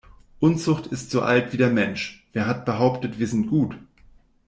Unzucht ist so alt wie der Mensch - wer hat behauptet wir sind gut?